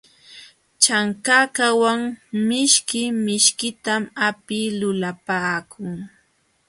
Chankakawan mishki mishkitam apita lulapaakun.